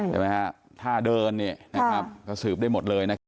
ใช่ถ้าเดินก็สืบได้หมดเลยนะครับ